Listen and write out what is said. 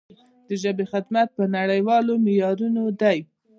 د ژبې خدمت په نړیوالو معیارونو دی.